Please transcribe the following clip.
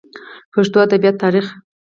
پښتو ادبياتو تاريخ